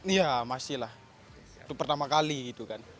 iya masih lah itu pertama kali gitu kan